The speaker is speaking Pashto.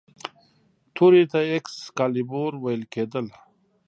تورې ته ایکس کالیبور ویل کیدل.